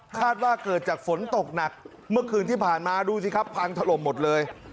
คาดว่าเกิดจากฝนตกหนักเมื่อคืนที่ผ่านมาดูสิครับพังถล่มหมดเลย